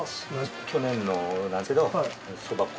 去年のなんですけどそば粉。